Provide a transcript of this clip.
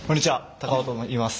高尾といいます。